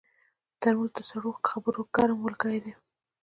ترموز د سړو خبرو ګرم ملګری دی.